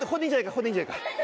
ここでいいんじゃないか。